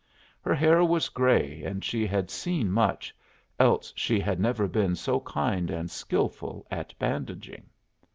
Her hair was gray, and she had seen much, else she had never been so kind and skilful at bandaging.